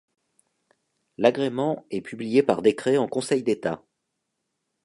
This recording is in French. L’agrément est publié par décret en Conseil d’État.